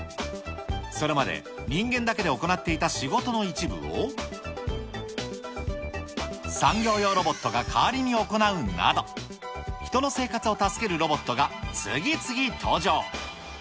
それまで人間だけで行っていた仕事の一部を、産業用ロボットが代わりに行うなど、人の生活を助けるロボットが次々登場。